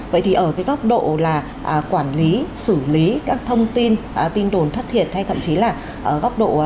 vậy thì ở cái góc độ là quản lý xử lý các thông tin tin đồn thất thiệt hay thậm chí là góc độ